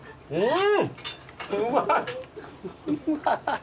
うん。